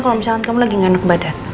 kalo misalkan kamu lagi nggak enak badat